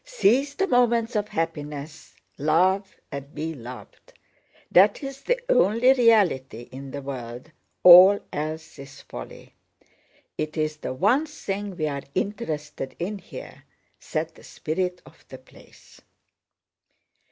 "Seize the moments of happiness, love and be loved! That is the only reality in the world, all else is folly. It is the one thing we are interested in here," said the spirit of the place.